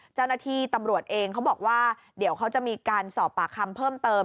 เจ้าหน้าที่ตำรวจเองเขาบอกว่าเดี๋ยวเขาจะมีการสอบปากคำเพิ่มเติม